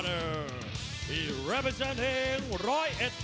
ตอนนี้มวยกู้ที่๓ของรายการ